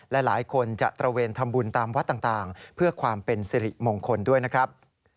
และหลายคนจะตระเวนทำบุญตามวัดต่างเพื่อความเป็นสิริมงคลด้วยนะครับ